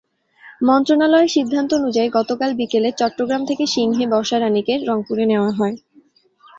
মন্ত্রণালয়ের সিদ্ধান্ত অনুযায়ী, গতকাল বিকেলে চট্টগ্রাম থেকে সিংহী বর্ষারানিকে রংপুরে নেওয়া হয়।